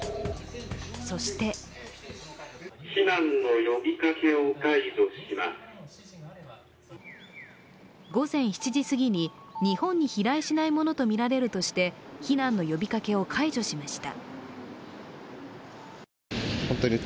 そして午前７時すぎに日本に飛来しないものとみられるとして、避難の呼びかけを解除しました。